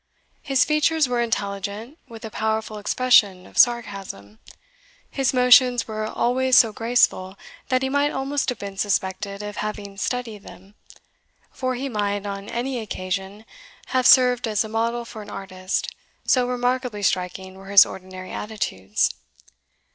His features were intelligent, with a powerful expression of sarcasm. His motions were always so graceful, that he might almost have been suspected of having studied them; for he might, on any occasion, have, served as a model for an artist, so remarkably striking were his ordinary attitudes.